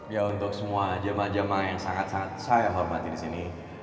ya untuk semua jemaah jemaah yang sangat sangat saya hormati di sini